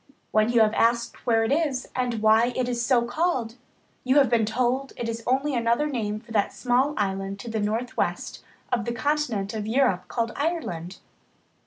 When you have asked where it is and why it is so called, you have been told it is only another name for that small island to the northwest of the continent of Europe called Ireland.